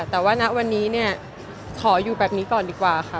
แต่ว่าณวันนี้เนี่ยขออยู่แบบนี้ก่อนดีกว่าค่ะ